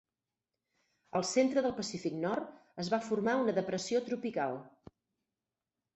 Al centre del Pacífic nord, es va formar una depressió tropical.